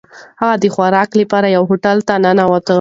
هغه د خوراک لپاره یوه هوټل ته ننووت.